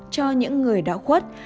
cho những người đã khuất